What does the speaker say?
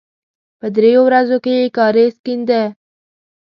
په دریو ورځو کې یې کاریز کېنده.